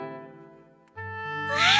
わあ！